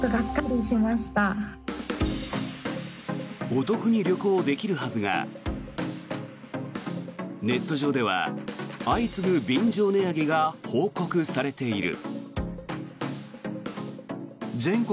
お得に旅行できるはずがネット上では相次ぐ便乗値上げが報告されている。